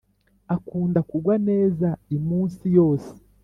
akunda kugwa neza imunsi yose.